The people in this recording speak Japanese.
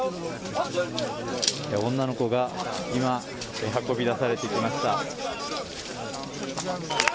女の子が今、運び出されてきました。